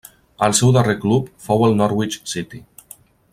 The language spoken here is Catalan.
El seu darrer club fou el Norwich City.